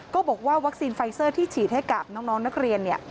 บอกว่าวัคซีนไฟเซอร์ที่ฉีดให้กับน้องนักเรียน